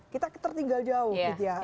kita tertinggal jauh gitu ya